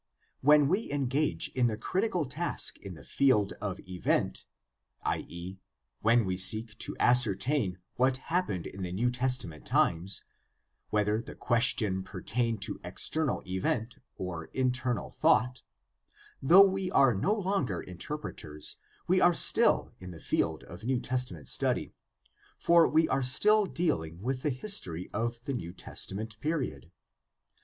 When we engage in the critical task in the field of event, i.e., when we seek to ascertain what happened in the New Testament times, whether the question pertain to external event or internal thought, though we are no longer inter preters, we are still in the field of New Testament study, 170 GUIDE TO STUDY OF CHRISTIAN RELIGION for we are still dealing with the history of the New Testa ment period.